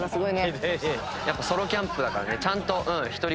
やっぱソロキャンプだからちゃんと独り言だね。